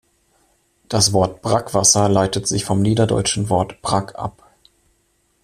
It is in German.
Das Wort Brackwasser leitet sich vom niederdeutschen Wort "Brack" ab.